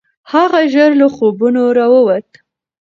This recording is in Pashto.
هغه ژر له خوبونو راووت.